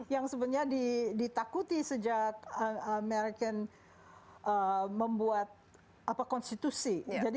yang sebenarnya ditakuti sejak american membuat konstitusi